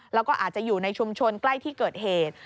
แล้วก็อาจจะอยู่ในชุมชนใกล้ที่เกิดเหตุ